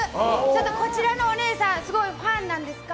こちらのお姉さんすごいファンなんですか？